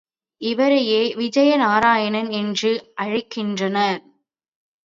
இவரையே விஜய நாராயணன் என்றும் அழைக்கின்றனர்.